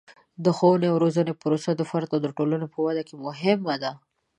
د ښوونې او روزنې پروسه د فرد او ټولنې په ودې کې مهمه ده.